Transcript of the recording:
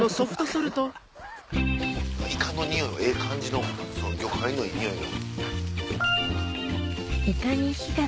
イカの匂いはええ感じの魚介のいい匂いが。